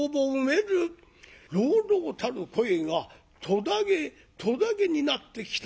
朗々たる声が途絶げ途絶げになってきた